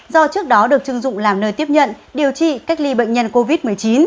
do trước đó được chưng dụng làm nơi tiếp nhận điều trị cách ly bệnh nhân covid một mươi chín